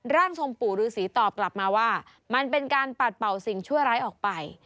ร่างทรงปู่ฤษีตอบกลับมาว่ามันเป็นการปัดเป่าสิ่งชั่วร้ายออกไป